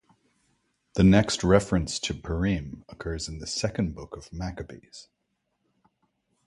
The next reference to Purim occurs in the second book of Maccabees.